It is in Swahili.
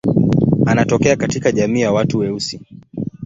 Anatokea katika jamii ya watu weusi.